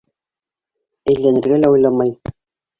Әйләнергә лә уйламай.